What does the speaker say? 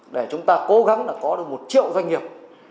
để chúng ta cố gắng là có được một triệu doanh nghiệp